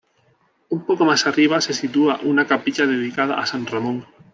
Un poco más arriba se sitúa una capilla dedicada a san Ramón.